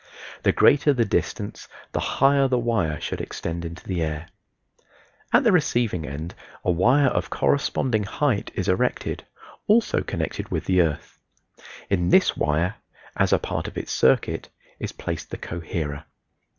The greater the distance the higher the wire should extend into the air. At the receiving end a wire of corresponding height is erected, also connected with the earth. In this wire as a part of its circuit is placed the coherer.